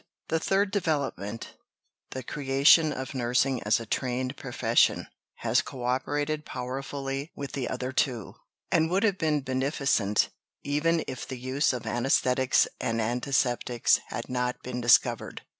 The third development the creation of nursing as a trained profession has co operated powerfully with the other two, and would have been beneficent even if the use of anæsthetics and antiseptics had not been discovered.